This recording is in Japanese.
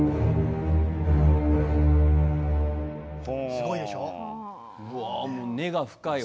すごいでしょう。